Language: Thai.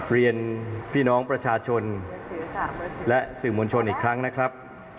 เรียนพี่น้องประชาชนและสื่อมวลชนอีกครั้งนะครับ